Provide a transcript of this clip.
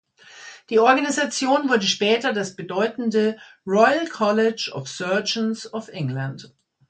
Die Organisation wurde später das bedeutende Royal College of Surgeons of England.